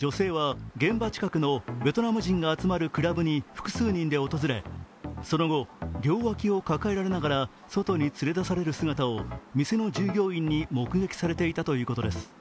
女性は現場近くのベトナム人が集まるクラブに複数人で訪れその後、両脇を抱えられながら外に連れ出される姿を店の従業員に目撃されていたということです。